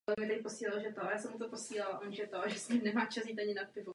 Císař i patriarcha slavnostně uvedli arcibiskupa do svého sídla.